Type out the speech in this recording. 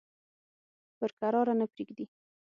پر کراره نه پرېږدي.